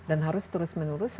dan harus terus menurus sampai